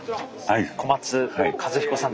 はい。